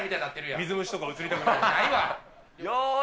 水虫とかうつりたくない。